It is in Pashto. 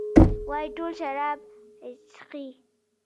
وايي ټول شراب چښي.